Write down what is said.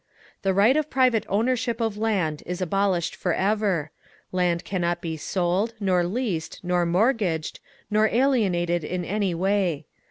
The right of private ownership of land is abolished forever; land cannot be sold, nor leased, nor mortgaged, nor alienated in any way.